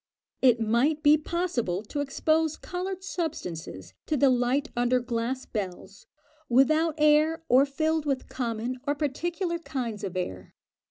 It might be possible to expose coloured substances to the light under glass bells, without air, or filled with common or particular kinds of air.